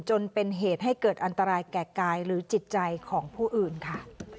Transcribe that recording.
จนเป็นเหตุให้เกิดอันตรายแก่กายหรือจิตใจของผู้อื่นค่ะ